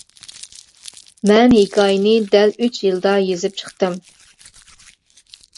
مەن ھېكايىنى دەل ئۈچ يىلدا يېزىپ چىقتىم.